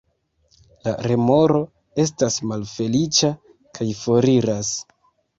La remoro estas malfeliĉa kaj foriras.